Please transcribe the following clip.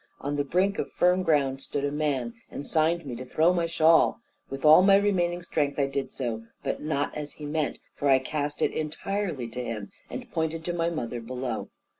On the brink of firm ground stood a man, and signed me to throw my shawl. With all my remaining strength I did so, but not as he meant, for I cast it entirely to him, and pointed to my mother below.